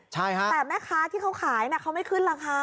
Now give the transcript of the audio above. ใช่ค่ะแต่แม่ค้าที่เขาขายเขาไม่ขึ้นราคา